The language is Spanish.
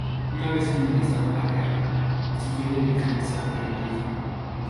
Una vez finalizada la guerra, siguió dedicándose al periodismo.